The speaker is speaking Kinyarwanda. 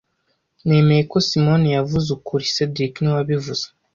Nemeye ko Simoni yavuze ukuri cedric niwe wabivuze